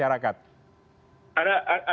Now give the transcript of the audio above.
bang abalin sampaikan kepada masyarakat